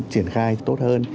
triển khai tốt hơn